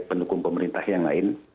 penukung pemerintah yang lain